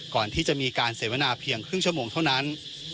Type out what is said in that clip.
ก่อนที่จะมีการเสวนาเพียงครึ่งชั่วโมงเท่านั้น